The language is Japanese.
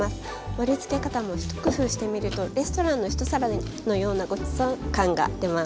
盛りつけ方も一工夫してみるとレストランの一皿のようなごちそう感が出ます。